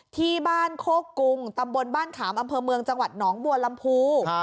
ที่บ้านโคกรุงตำบลบ้านขามอำเภอเมืองจังหวัดหนองบัวลำพู